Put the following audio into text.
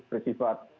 karena itu masih